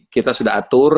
kita sudah atur